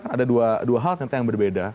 ada dua hal tentang yang berbeda